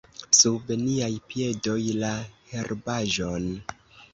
Sub niaj piedoj: la herbaĵon!